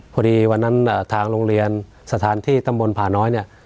วันนั้นทางโรงเรียนสถานที่ตำบลผ่าน้อยเนี่ย